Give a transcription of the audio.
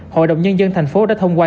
hội đồng nhân dân thành phố đã thông qua